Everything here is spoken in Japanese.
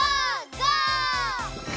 ゴー！